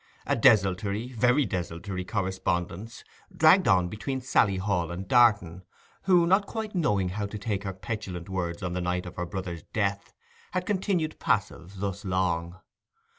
A desultory, very desultory correspondence, dragged on between Sally Hall and Darton, who, not quite knowing how to take her petulant words on the night of her brother's death, had continued passive thus long.